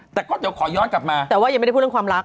แต่ก็เดี๋ยวขอย้อนกลับมาแต่ว่ายังไม่ได้พูดเรื่องความรัก